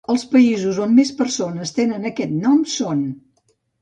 Els països on més persones tenen aquest nom són: